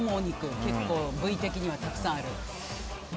部位的には、たくさんある。